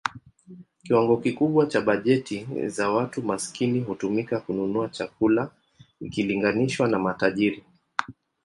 Kiwango kikubwa cha bajeti za watu maskini hutumika kununua chakula ikilinganishwa na matajiri.